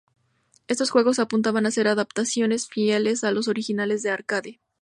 Estos juegos apuntaban a ser adaptaciones fieles a los originales de Arcade.